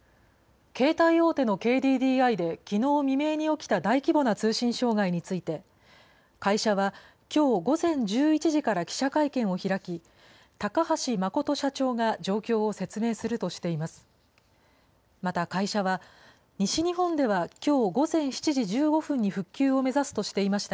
携帯大手のＫＤＤＩで、きのう未明に起きた大規模な通信障害について、会社はきょう午前１１時から記者会見を開き、高橋誠社長が状況を説明するとしています。